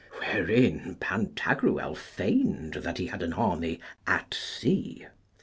Wherein Pantagruel feigned that he had an army at sea.